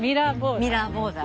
ミラーボーダー。